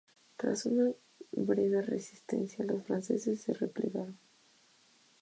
Tras una breve resistencia, los franceses se replegaron.